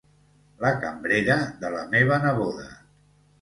La cambrera de la meva neboda.